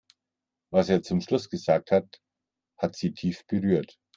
Was er zum Schluss gesagt hat, hat sie tief berührt.